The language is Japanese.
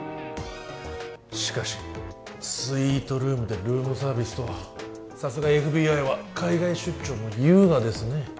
しかしスイートルームでルームサービスとはさすがＦＢＩは海外出張も優雅ですね